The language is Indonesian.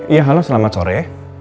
ya halo selamat sore